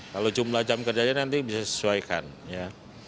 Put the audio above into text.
kalau jumlah jam kerjanya nanti bisa disesuaikan ya